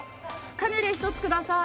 カヌレ１つください